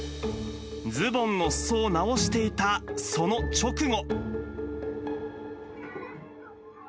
ズボンのすそを直していたその直後。